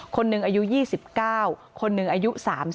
คนหนึ่งอายุ๒๙คนหนึ่งอายุ๓๐